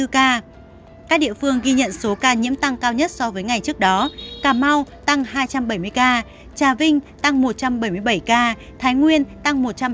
các địa phương ghi nhận số ca nhiễm tăng cao nhất so với ngày trước đó cà mau tăng hai trăm bảy mươi ca trà vinh tăng một trăm bảy mươi bảy ca thái nguyên tăng một trăm ba mươi